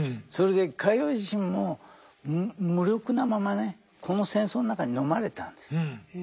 それでカイヨワ自身も無力なままねこの戦争の中にのまれたんです。